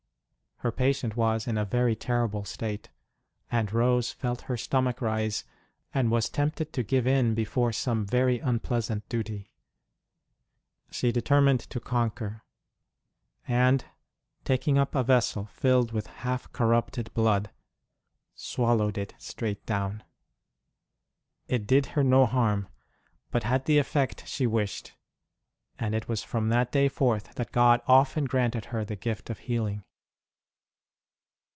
Her patient was in a very terrible state, and Rose felt her stomach rise, and was tempted to give in, before some very unpleasant duty. She determined to conquer, and, taking up a vessel filled with half corrupted blood, swallowed it straight down. It did her no harm, but had the effect she wished ; ROSE ENDOWED WITH A PROPHETIC SPIRIT 125 and it was from that day forth that God often granted her the gift of healing.